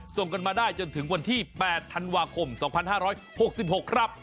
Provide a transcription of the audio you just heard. ส่งกันมาได้จนถึงวันที่๘ธันวาคม๒๕๖๖ครับ